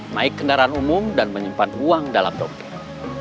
naik kendaraan umum dan menyimpan uang dalam dokter